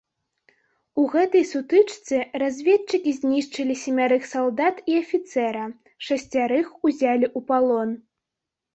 У гэтай сутычцы разведчыкі знішчылі семярых салдат і афіцэра, шасцярых ўзялі ў палон.